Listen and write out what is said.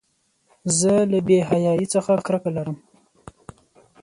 زه له بېحیایۍ څخه کرکه لرم.